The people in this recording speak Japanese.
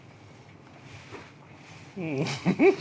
フフフフ！